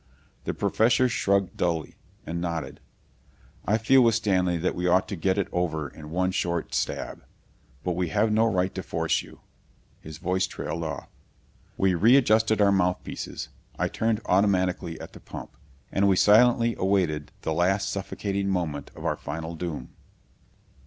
The Professor shrugged dully, and nodded. "I feel with Stanley that we ought to get it over in one short stab. But we have no right to force you...." His voice trailed off. We readjusted our mouthpieces. I turned automatically at the pump; and we silently awaited the last suffocating moment of our final doom.